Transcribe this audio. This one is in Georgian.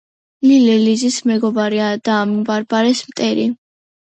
ლილე ლიზის მეგობარია და ბარბარეს მტერი